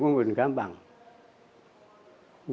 koreka disandarkan pada pohon